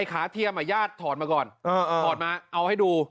ขาเทียมญาติถอดมาก่อนถอดมาเอาให้ดู